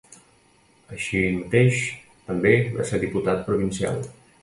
Així mateix també va ser diputat provincial.